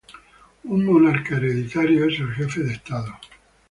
Un monarca hereditario es el jefe de estado.